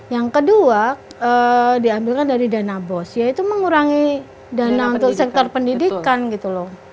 yang kedua diambilnya dari dana bos yaitu mengurangi dana untuk sektor pendidikan gitu loh